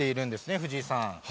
藤井さん。